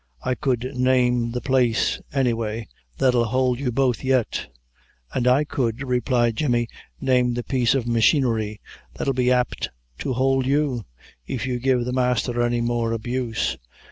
I could name the place, any way, that'll hould you both yet." "An' I could," replied Jemmy, "name the piece of machinery that'll be apt to hould you, if you give the masther any more abuse.